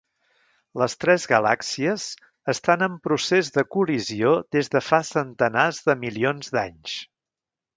Les tres galàxies estan en procés de col·lisió des de fa centenars de milions d'anys.